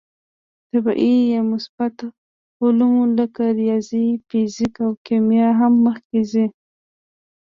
د طبعي یا مثبته علومو لکه ریاضي، فیزیک او کیمیا هم مخکې ځي.